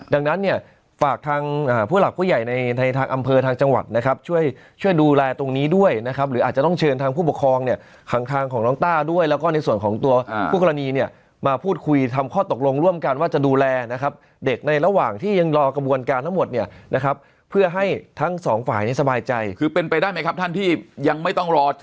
ดังนั้นเนี่ยฝากทางผู้หลักผู้ใหญ่ในในทางอำเภอทางจังหวัดนะครับช่วยช่วยดูแลตรงนี้ด้วยนะครับหรืออาจจะต้องเชิญทางผู้ปกครองเนี่ยข้างทางของน้องต้าด้วยแล้วก็ในส่วนของตัวผู้กรณีเนี่ยมาพูดคุยทำข้อตกลงร่วมกันว่าจะดูแลนะครับเด็กในระหว่างที่ยังรอกระบวนการทั้งหมดเนี่ยนะครับเพื่อให้ทั้งสองฝ่ายนี้สบายใจคือเป็นไปได้ไหมครับท่านที่ยังไม่ต้องรอ